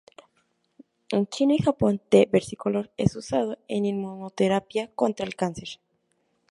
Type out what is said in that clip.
En China y Japón "T. versicolor" es usado en inmunoterapia contra el cáncer.